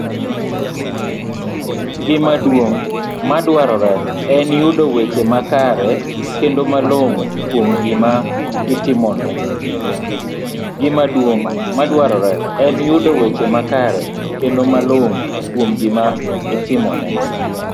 Gima duong ' madwarore en yudo weche makare kendo malong'o kuom gima itimone